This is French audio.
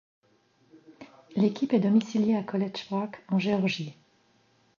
L'équipe est domiciliée à College Park en Géorgie.